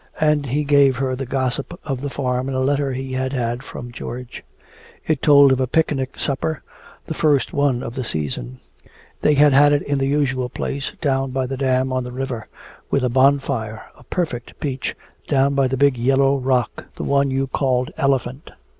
And he gave her the gossip of the farm in a letter he had had from George. It told of a picnic supper, the first one of the season. They had had it in the usual place, down by the dam on the river, "with a bonfire a perfect peach down by the big yellow rock the one you call the Elephant."